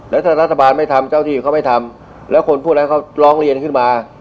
แล้วถ้ารัฐบาลไม่ทำเจ้าที่เขาไม่ทำแล้วคนพวกนั้นเขาร้องเรียนขึ้นมา